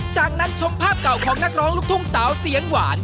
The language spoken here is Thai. จากนั้นชมภาพเก่าของนักร้องลูกทุ่งสาวเสียงหวาน